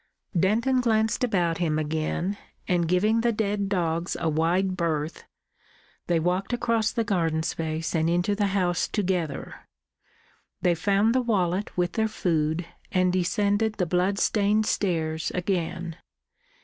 Denton glanced about him again, and, giving the dead dogs a wide berth, they walked across the garden space and into the house together. They found the wallet with their food, and descended the blood stained stairs again.